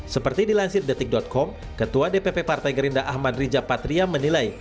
seperti dilansir detik com ketua dpp partai gerindra ahmad riza patria menilai